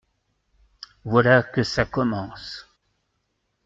Voilà que ça commence.